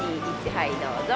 はいどうぞ。